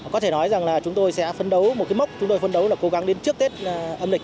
có thể nói rằng là chúng tôi sẽ phân đấu một mốc chúng tôi phân đấu là cố gắng đến trước tết âm lịch